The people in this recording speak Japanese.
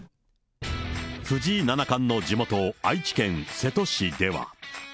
藤井七冠の地元、愛知県瀬戸市では。